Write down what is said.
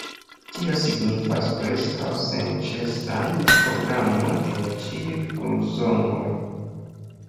Tio signifas preskaŭ senĉesan programon en ĉiuj horzonoj.